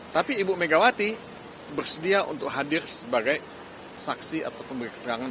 tapi ibu megawati bersedia untuk hadir sebagai saksi atau pemberi keterangan